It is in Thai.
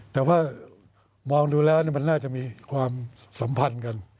แต่ว่ามองดูแล้วมันน่าจะมีความสัมพันธ์กัน